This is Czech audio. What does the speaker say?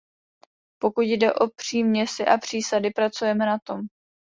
Pokud jde o příměsi a přísady, pracujeme na tom.